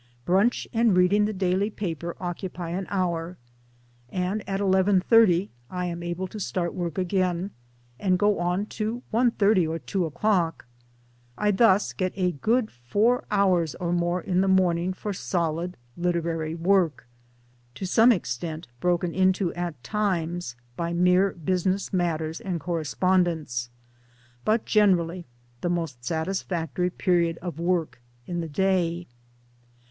Brunch and reading the daily paper occupy an hour; and at 11.30 I am able to start work again and go on to 1.30 or 2.0. I thus get a good four hours or more in the morning for solid literary work, to some extent broken into at times by mere business matters and correspondence, but generally the most satisfactory period of work in the day.